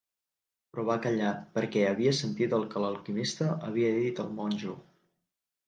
Però va callar, perquè havia sentit el que l'alquimista havia dit al monjo.